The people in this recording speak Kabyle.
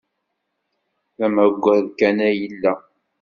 D amaggad kan ay yella.